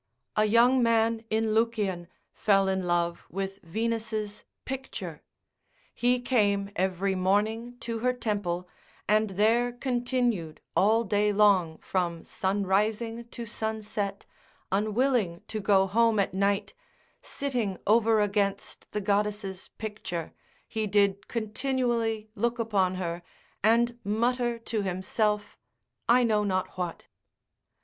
A young man in Lucian fell in love with Venus' picture; he came every morning to her temple, and there continued all day long from sunrising to sunset, unwilling to go home at night, sitting over against the goddess's picture, he did continually look upon her, and mutter to himself I know not what.